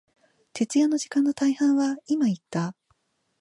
徹夜の時間の大半は、今言った、